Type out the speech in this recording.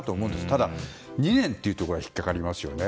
ただ２年というところが引っかかりますよね。